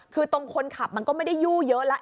คือตรงคนขับมันก็ไม่ได้ยู่เยอะแล้ว